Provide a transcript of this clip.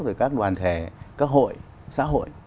rồi các đoàn thể các hội xã hội